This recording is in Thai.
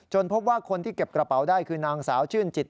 พบว่าคนที่เก็บกระเป๋าได้คือนางสาวชื่นจิต